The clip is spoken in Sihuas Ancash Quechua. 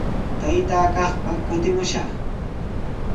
Taytaa kaqpa kutikushaq.